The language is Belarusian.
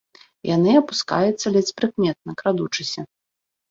Яны апускаецца ледзь прыкметна, крадучыся.